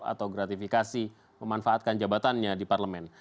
atau gratifikasi memanfaatkan jabatannya di parlemen